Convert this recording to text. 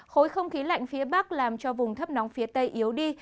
khối không khí lạnh phía bắc làm cho vùng thấp nóng phía tây yếu đi